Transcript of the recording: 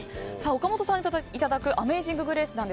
岡本さんに歌っていただく「アメイジング・グレイス」